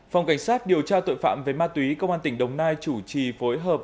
phòng cảnh sát điều tra tội phạm về ma túy công an tỉnh đồng nai chủ trì phối hợp